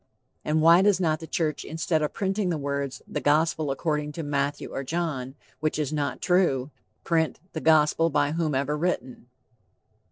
And why does not the church instead of printing the words, "The Gospel according to Matthew or John," which is not true, print, "The Gospel by whomever written"?